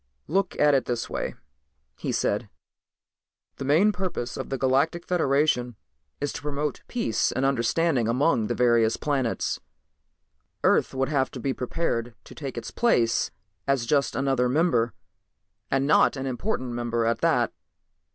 "Look at it this way," he said. "The main purpose of the Galactic Federation is to promote peace and understanding among the various planets. Earth would have to be prepared to take its place as just another member, and not an important member at that.